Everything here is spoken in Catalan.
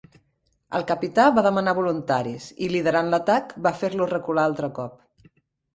El capità va demanar voluntaris i, liderant l'atac, va fer-los recular altre cop.